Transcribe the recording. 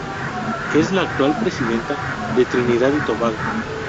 Es la actual presidenta de Trinidad y Tobago.